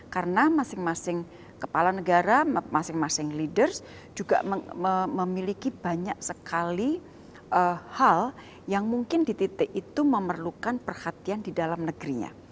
karena masing masing kepala negara masing masing leaders juga memiliki banyak sekali hal yang mungkin di tti itu memerlukan perhatian di dalam negerinya